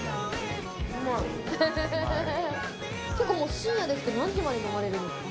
深夜ですけれども何時まで飲まれるんですか？